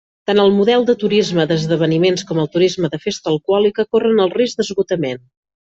Tant el model de turisme d'esdeveniments com el turisme de festa alcohòlica corren el risc d'esgotament.